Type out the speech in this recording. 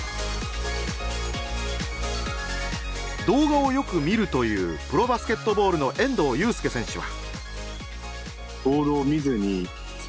動画をよく見るというプロバスケットボールの遠藤祐亮選手は。